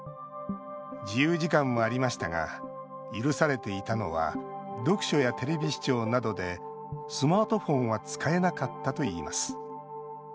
自由時間もありましたが許されていたのは読書やテレビ視聴などでスマートフォンは使えなかったといいます。